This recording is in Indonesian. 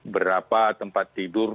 berapa tempat tidur